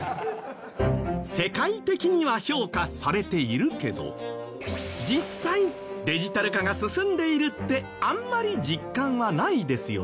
世界的には評価されているけど実際デジタル化が進んでいるってあんまり実感はないですよね。